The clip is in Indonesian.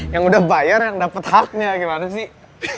yang udah bayar yang dapat haknya gimana sih